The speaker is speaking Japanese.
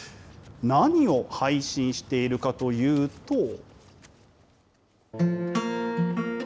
何を配信しているかというと。